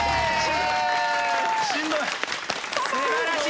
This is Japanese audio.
しんどい。